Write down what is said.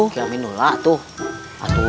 kiamin dulu atuh